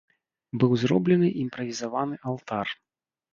Быў зроблены імправізаваны алтар.